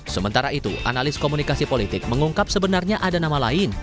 sementara itu analis komunikasi politik mengungkap sebenarnya ada nama lain